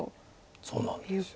そうなんです。